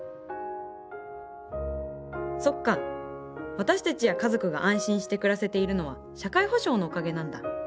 私たちや家族が安心して暮らせているのは社会保障のおかげなんだ。